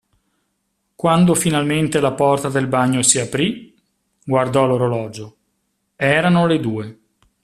Quando finalmente la porta del bagno si aprì, guardò l'orologio: erano le due.